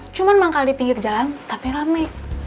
cuma manggal di pinggir jalan tapi rame